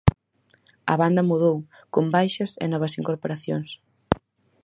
A banda mudou, con baixas e novas incorporacións.